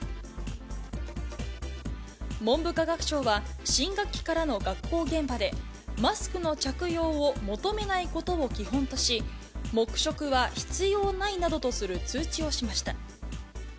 文部科学省は、新学期からの学校現場で、マスクの着用を求めないことを基本とし、黙食は必要ないなどとする通知をしました。